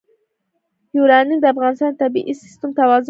یورانیم د افغانستان د طبعي سیسټم توازن ساتي.